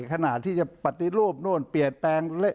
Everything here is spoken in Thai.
ขนาดที่จะปัตติรูปเปรียบแปรง